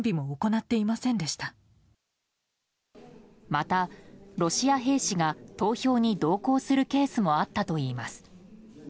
また、ロシア兵士が投票に同行するケースもあったといいます。